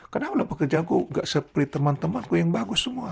kenapa pekerjaanku nggak seperti temanku yang bagus semua